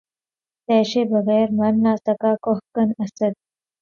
تیشے بغیر مر نہ سکا کوہکن، اسد